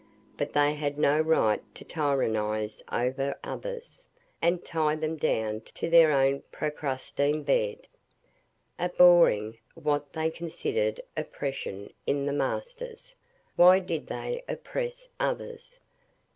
But they had no right to tyrannise over others, and tie them down to their own procrustean bed. Abhorring what they considered oppression in the masters, why did they oppress others?